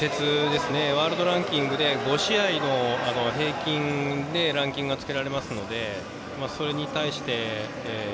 ワールドランキングで５試合の平均でランキングがつけられますのでそれに対して。